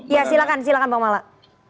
ya silakan silakan bang malah